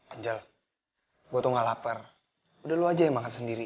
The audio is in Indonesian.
angel gue tuh gak lapar udah lu aja yang makan sendiri